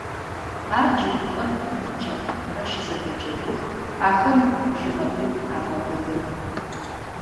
Ар джэгупӏэм иныбджэгъухэмрэ щызэдэджэгух, ахэм жьыгъэбыб агъэбыбы.